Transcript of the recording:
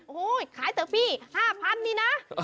โอ้โห้ขายเถอะพี่๕๐๐๐นี่นะมันแพงเนี่ย